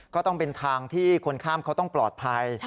ก็ต้องเป็นทางที่คนข้ามเขาต้องปลอดภัย